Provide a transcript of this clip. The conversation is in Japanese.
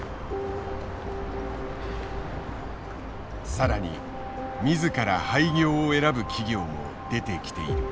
さらに自ら廃業を選ぶ企業も出てきている。